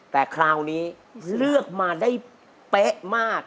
แต่คราวนี้เลือกมาได้เป๊ะมาก